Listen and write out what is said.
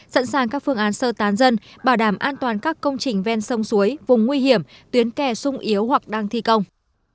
sẵn sàng các phương án sơ tán dân bảo đảm an toàn các công trình ven sông suối vùng nguy hiểm tuyến kè sung yếu hoặc đang thi công